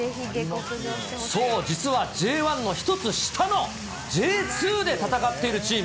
そう、実はＪ１の１つ下のＪ２で戦っているチーム。